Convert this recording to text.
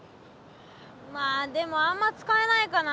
まあでもあんま使えないかな。